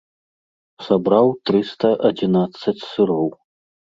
Сабраў трыста адзінаццаць сыроў.